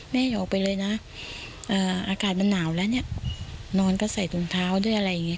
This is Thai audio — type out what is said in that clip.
อย่าออกไปเลยนะอากาศมันหนาวแล้วเนี่ยนอนก็ใส่ตรงเท้าด้วยอะไรอย่างนี้